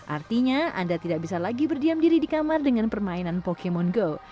artinya anda tidak bisa lagi berdiam diri di kamar dengan permainan pokemon go